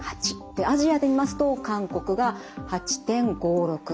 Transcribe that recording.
アジアで見ますと韓国が８．５６例。